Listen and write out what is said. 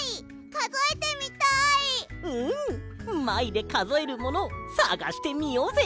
「まい」でかぞえるものさがしてみようぜ。